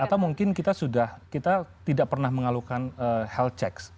atau mungkin kita sudah kita tidak pernah mengalukan health checks